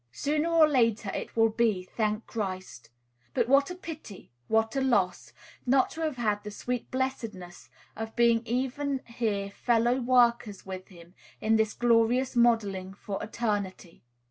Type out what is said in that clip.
Sooner or later it will be, thank Christ! But what a pity, what a loss, not to have had the sweet blessedness of being even here fellow workers with him in this glorious modelling for eternity!